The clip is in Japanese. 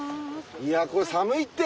いやこれ寒いって！